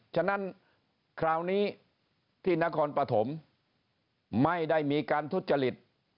ฉะนั้นคราวนี้ที่นครปฐมไม่ได้มีการทุจริต